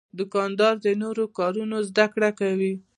دوکاندار د نوو کارونو زدهکړه کوي.